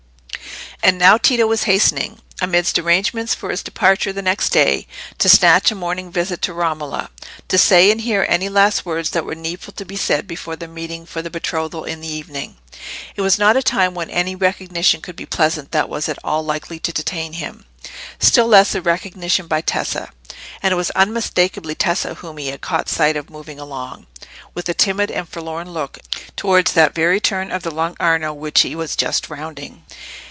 And now Tito was hastening, amidst arrangements for his departure the next day, to snatch a morning visit to Romola, to say and hear any last words that were needful to be said before their meeting for the betrothal in the evening. It was not a time when any recognition could be pleasant that was at all likely to detain him; still less a recognition by Tessa. And it was unmistakably Tessa whom he had caught sight of moving along, with a timid and forlorn look, towards that very turn of the Lung' Arno which he was just rounding.